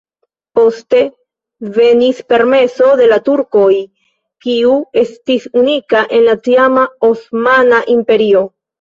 Poste venis permeso de la turkoj, kiu estis unika en la tiama Osmana Imperio.